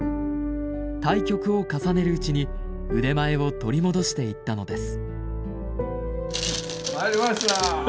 対局を重ねるうちに腕前を取り戻していったのです。